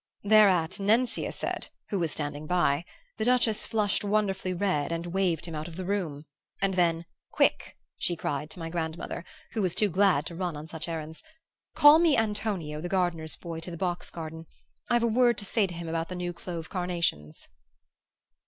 "Thereat, Nencia said (who was standing by), the Duchess flushed wonderfully red and waved him out of the room; and then 'Quick!' she cried to my grandmother (who was too glad to run on such errands), 'Call me Antonio, the gardener's boy, to the box garden; I've a word to say to him about the new clove carnations....